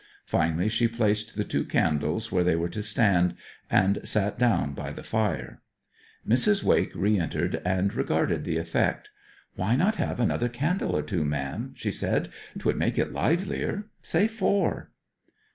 Finally she placed the two candles where they were to stand, and sat down by the fire. Mrs. Wake re entered and regarded the effect. 'Why not have another candle or two, ma'am?' she said. ''Twould make it livelier. Say four.'